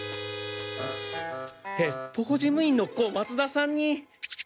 ヘッポコ事務員の小松田さんに。